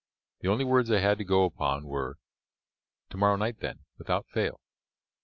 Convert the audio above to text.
The only words I had to go upon were, 'Tomorrow night, then, without fail.'